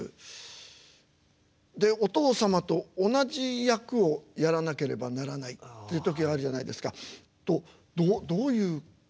でお父様と同じ役をやらなければならないっていう時あるじゃないですか。とどういう感じなんですか？